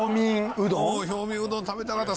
うん氷眠うどん食べたかった。